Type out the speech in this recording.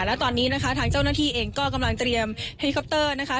และตอนนี้นะคะทางเจ้าหน้าที่เองก็กำลังเตรียมเฮลิคอปเตอร์นะคะ